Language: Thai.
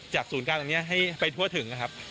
ศูนย์การตรงนี้ให้ไปทั่วถึงนะครับ